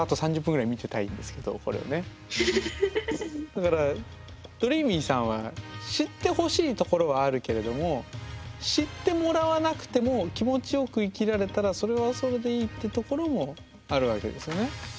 だからどりーみぃさんは知ってほしいところはあるけれども知ってもらわなくても気持ちよく生きられたらそれはそれでいいってところもあるわけですよね。